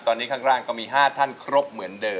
ตอนนี้ข้างล่างก็มี๕ท่านครบเหมือนเดิม